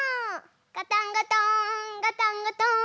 ガタンゴトーンガタンゴトーン。